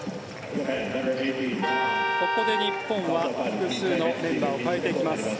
ここで日本は複数のメンバーを代えていきます。